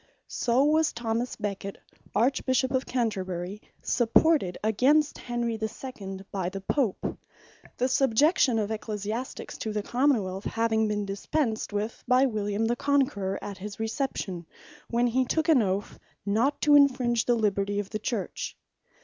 So was Thomas Beckett Archbishop of Canterbury, supported against Henry the Second, by the Pope; the subjection of Ecclesiastiques to the Common wealth, having been dispensed with by William the Conqueror at his reception, when he took an Oath, not to infringe the liberty of the Church.